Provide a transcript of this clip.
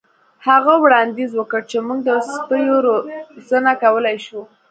هغه وړاندیز وکړ چې موږ د سپیو روزنه کولی شو